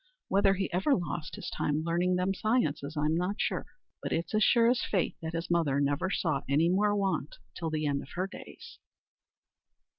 Whether he ever lost his time learning them sciences, I'm not sure, but it's as sure as fate that his mother never more saw any want till the end of her days.